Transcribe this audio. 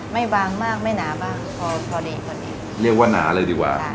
บางมากไม่หนาบ้างพอพอดีพอดีเรียกว่าหนาเลยดีกว่าค่ะ